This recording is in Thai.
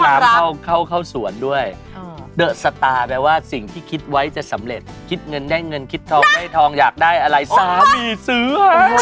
เข้าเข้าสวนด้วยเดอะสตาร์แปลว่าสิ่งที่คิดไว้จะสำเร็จคิดเงินได้เงินคิดทองได้ทองอยากได้อะไรสามีซื้อ